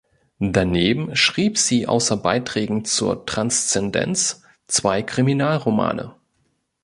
Daneben schrieb sie, außer Beiträgen zur Transzendenz, zwei Kriminalromane.